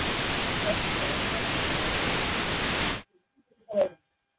তিনি দেখান যে এনজাইমের আদতে হলও প্রোটিন।